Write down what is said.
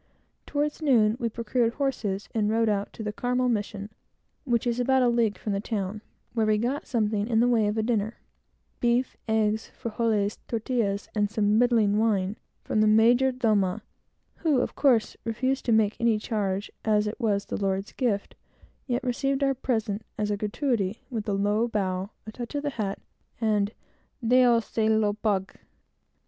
Toward noon we procured horses, and rode out to the Carmel mission, which is about a league from the town, where we got something in the way of a dinner beef, eggs, frijoles, tortillas, and some middling wine from the mayordomo, who, of course, refused to make any charge, as it was the Lord's gift, yet received our present, as a gratuity, with a low bow, a touch of the hat, and "Dios se lo pague!"